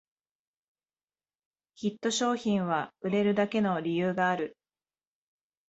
ヒット商品は売れるだけの理由がある